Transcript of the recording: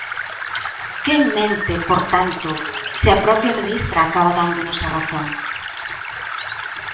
¿Quen mente, por tanto, se a propia ministra acaba dándonos a razón?